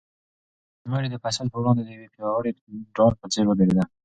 مور یې د فیصل په وړاندې د یوې پیاوړې ډال په څېر ودرېده.